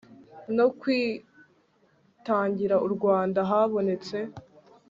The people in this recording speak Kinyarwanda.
no kwitangira u Rwanda Habonetse